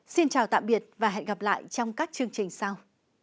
xin chào tạm biệt và hẹn gặp lại trong các chương trình sau